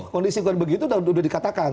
kondisi kan begitu udah dikatakan